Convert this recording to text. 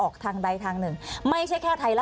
ใช่ครับอย่างนี้เป็นต้น